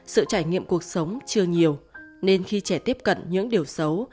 sự trải nghiệm cuộc sống chưa nhiều nên khi trẻ tiếp cận những điều xấu